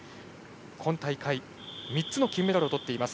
今大会、３つの金メダルをとっています。